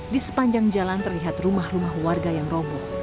di sepanjang jalan terlihat rumah rumah warga yang roboh